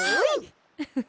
フフフフ。